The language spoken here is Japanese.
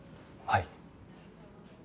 はい。